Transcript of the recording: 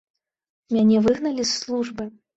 Мяне выгналі з службы.